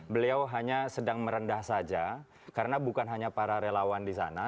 beliau hanya sedang merendah saja karena bukan hanya para relawan di sana